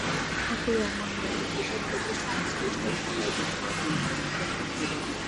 আশা করি, এমন মৌলিক বিষয়ের প্রতি সংশ্লিষ্ট সবাই যথাযথ মনোযোগ দেবেন।